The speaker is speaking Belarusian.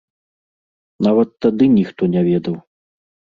Нават тады ніхто не ведаў.